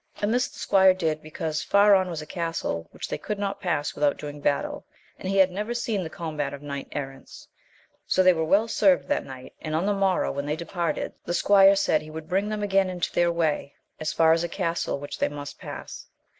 And this the squire did, because &r on was a castle which, tliey cioxjld ivo\. ^^^ ^d^Wa^t* AMADIS OF GAUL. ZT doing battle, and he had never seen the combat of knights errant. So they were well served that night, and on the morrow when they departed, the squire said he would bring them again into their way, as far as a castle which they must pass.